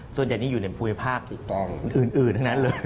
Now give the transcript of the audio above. ส่วนใหญ่นี้อยู่ในภูมิภาคถูกต้องอื่นทั้งนั้นเลย